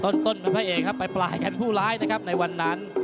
ต้นเป็นพระเอกครับปลายกันผู้ร้ายนะครับในวันนั้น